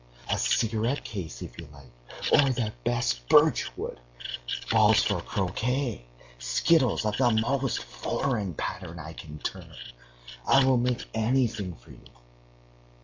A cigarette case, if you like, of the best birchwood,... balls for croquet, skittles of the most foreign pattern I can turn.... I will make anything for you!